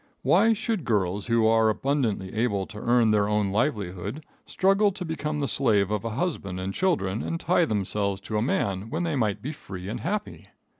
Why should girls who are abundantly able to earn their own livelihood struggle to become the slave of a husband and children, and tie themselves to a man when they might be free and happy?